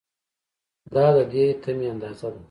دا د دې تمې اندازه ده.